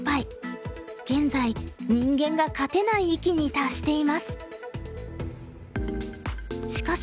現在人間が勝てない域に達しています。